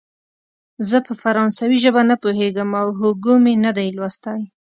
زه پر فرانسوي ژبه نه پوهېږم او هوګو مې نه دی لوستی.